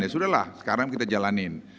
ya sudah lah sekarang kita jalanin